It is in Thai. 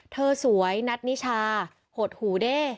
สวยนัทนิชาหดหูเด้